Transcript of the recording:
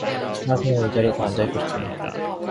따라서 그는 이 자리에 더 앉아 있고 싶지 않았다.